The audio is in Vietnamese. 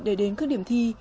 để đến các điểm thi